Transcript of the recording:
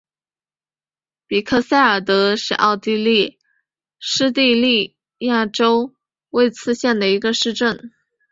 比克费尔德是奥地利施蒂利亚州魏茨县的一个市镇。